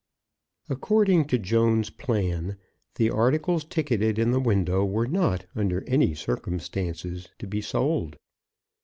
According to Jones's plan, the articles ticketed in the window were not, under any circumstances, to be sold.